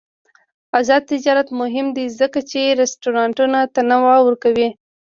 آزاد تجارت مهم دی ځکه چې رستورانټونه تنوع ورکوي.